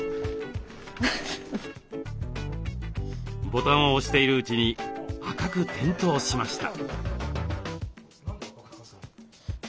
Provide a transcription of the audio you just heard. ボタンを押しているうちに赤く点灯しました。